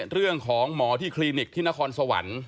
เรื่องของหมอที่คลินิกที่นครสวรรค์